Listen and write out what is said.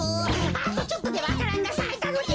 あとちょっとでわか蘭がさいたのに！